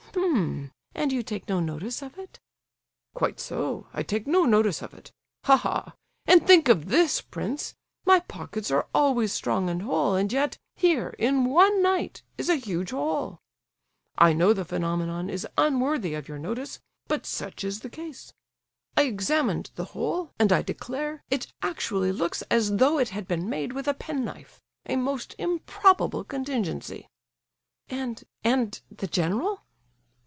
"H'm! and you take no notice of it?" "Quite so, I take no notice of it. Ha, ha! and think of this, prince, my pockets are always strong and whole, and yet, here in one night, is a huge hole. I know the phenomenon is unworthy of your notice; but such is the case. I examined the hole, and I declare it actually looks as though it had been made with a pen knife, a most improbable contingency." "And—and—the general?"